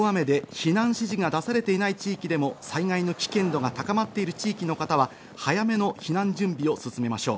大雨で避難指示が出されていない地域でも災害の危険度が高まっている地域の方は、早めの避難準備を進めましょう。